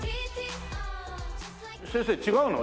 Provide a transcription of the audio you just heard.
先生違うの？